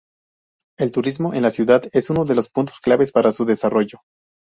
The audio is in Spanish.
El turismo en la ciudad es uno de los puntos claves para su desarrollo.